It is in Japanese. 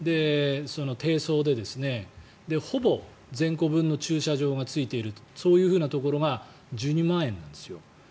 低層でほぼ全戸分の駐車場がついているそういうところが１２万円なんですよ。